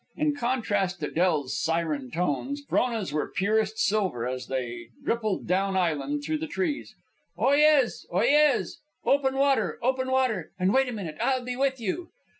In contrast to Del's siren tones, Frona's were purest silver as they rippled down island through the trees. "Oyez! Oyez! Open water! Open water! And wait a minute. I'll be with you."